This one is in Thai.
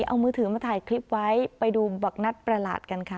เอามือถือมาถ่ายคลิปไว้ไปดูบักนัดประหลาดกันค่ะ